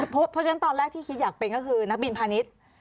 เพราะฉะนั้นตอนแรกที่คิดอยากเป็นก็คือนักบินพาณิชย์